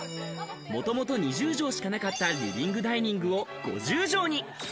もともと２０帖しかなかったリビングダイニングを５０畳に。